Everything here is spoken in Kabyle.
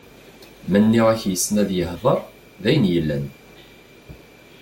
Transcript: Ma nniɣ-ak yessen ad yehder, d ayen yellan.